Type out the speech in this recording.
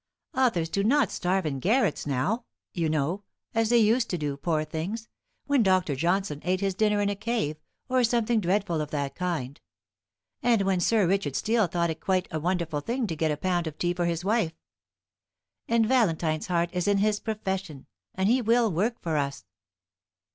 Authors do not starve in garrets now, you know, as they used to do, poor things, when Doctor Johnson ate his dinner in a cave, or something dreadful of that kind; and when Sir Richard Steele thought it quite a wonderful thing to get a pound of tea for his wife. And Valentine's heart is in his profession, and he will work for us."